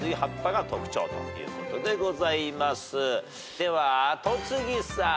では戸次さん。